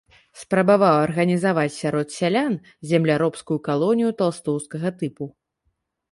Спрабаваў арганізаваць сярод сялян земляробскую калонію талстоўскага тыпу.